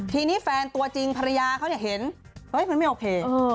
ทีนี้แฟนตัวจริงภรรยาเขาเห็นเฮ้ยมันไม่โอเค